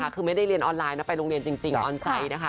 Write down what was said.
คือไม่ได้เรียนออนไลน์นะไปโรงเรียนจริงออนไซต์นะคะ